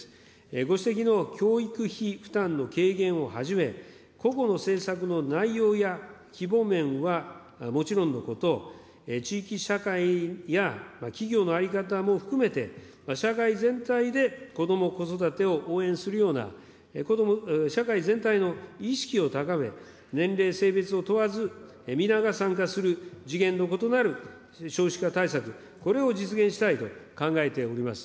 ご指摘の教育費負担の軽減をはじめ、個々の政策の内容や規模面はもちろんのこと、地域社会や企業の在り方も含めて、社会全体でこども・子育てを応援するような、社会全体の意識を高め、年齢、性別を問わず、皆が参加する、次元の異なる少子化対策、これを実現したいと考えております。